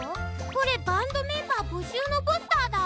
これバンドメンバーぼしゅうのポスターだ。